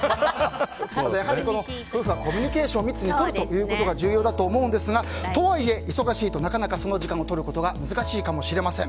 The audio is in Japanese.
やはり、夫婦はコミュニケーションを密にとることが重要だと思いますがとはいえ、忙しいとなかなかその時間をとることが難しいかもしれません。